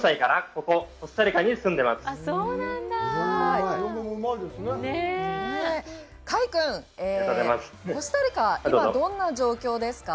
快君、コスタリカは今どんな状況ですか。